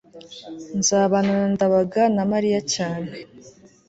nzabana na ndabaga na mariya cyane